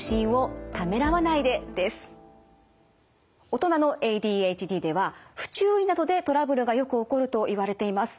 大人のＡＤＨＤでは不注意などでトラブルがよく起こるといわれています。